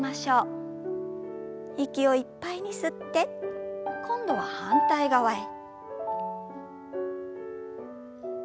息をいっぱいに吸って今度は反対側へ。